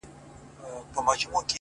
څومره چي ځان ورته نژدې كړمه زه.!